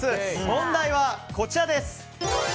問題はこちらです。